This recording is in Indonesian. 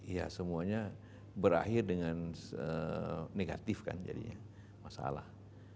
ya semuanya berakhir dengan negatif kan jadinya masalah